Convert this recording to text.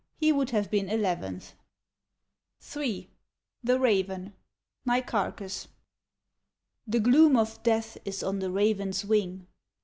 He would have been eleventh. HI THE RAVEN {Nicarchus) The gloom of death is on the raven's wing.